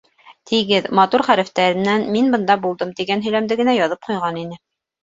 Тигеҙ, матур хәрефтәр менән «Мин бында булдым» тигән һөйләмде генә яҙып ҡуйған ине.